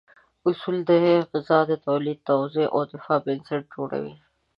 اصول د غذا تولید، توزیع او دفاع بنسټ جوړوي.